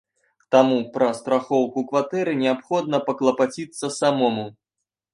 Таму пра страхоўку кватэры неабходна паклапаціцца самому.